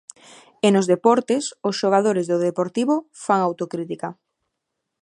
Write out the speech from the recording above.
E nos deportes, os xogadores do Deportivo fan autocrítica.